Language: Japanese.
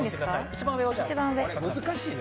一番上。